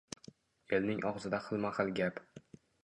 Elning og‘zida xilma-xil gap.